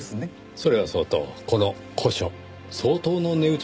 それはそうとこの古書相当の値打ちものですよ。